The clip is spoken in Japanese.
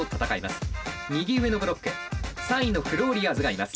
右上のブロック３位のフローリアーズがいます。